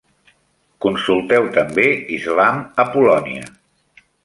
Consulteu també islam a Polònia.